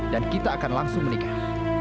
dan kita akan langsung menikah